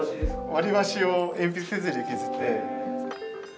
割り箸を鉛筆削りで削って。